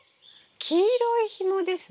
黄色いひもですね。